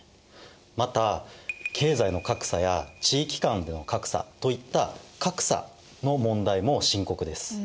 また経済の格差や地域間での格差といった格差の問題も深刻です。